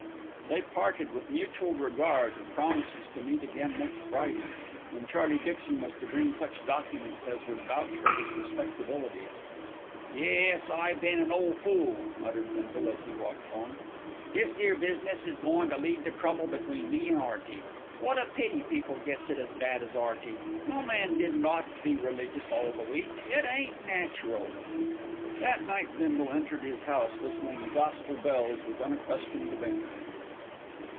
They parted with mutual regard and promises to meet again next Friday, when Charlie Dixon was to bring such documents as would vouch for his respectability. "Yes; I been an ole fool," muttered Bindle, as he walked home. "This 'ere business is goin' to lead to trouble between me an' 'Earty. What a pity people gets it as bad as 'Earty. No man didn't ought to be religious all the week. It ain't natural." That night Bindle entered his house whistling "Gospel Bells" with unaccustomed abandon.